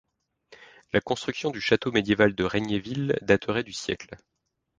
La construction du château médiéval de Regnéville daterait du siècle.